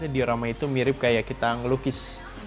diorama itu mirip kayak kita ngelukis